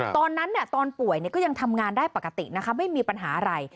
ตอนนั้นตอนป่วยก็ยังทำงานได้ปกตินะคะไม่มีปัญหาอะไร